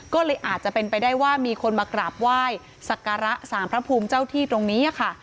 ก็เลยอาจจะเป็นไปได้ว่ามีคนมากราบไหว้สักการะสารพระภูมิเจ้าที่ตรงนี้ค่ะ